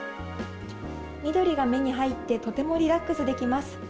緑が目に入って、とてもリラックスできます。